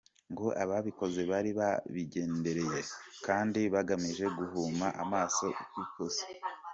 Ngo ababikoze bari babigendereye, kandi bagamije guhuma amaso Isi.